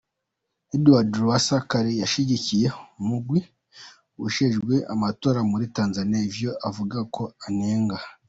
Edward Lowasa kare yashikirije umugwi ujejwe amatora muri Tanzania ivyo avuga ko anenga.